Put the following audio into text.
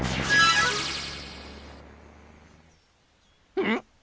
うん？